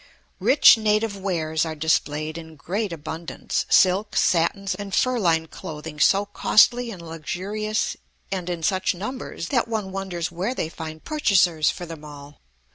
Rich native wares are displayed in great abundance, silks, satins, and fur lined clothing so costly and luxurious, and in such numbers, that one wonders where they find purchasers for them all.